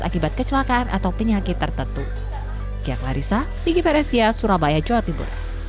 akibat kecelakaan atau penyakit tertentu